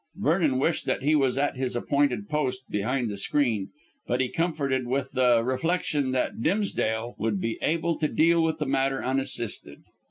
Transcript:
Vernon wished that he was at his appointed post behind the screen; but he comforted with the reflection that Dimsdale would be able to deal with the matter unassisted.